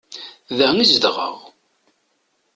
Da i zedɣeɣ.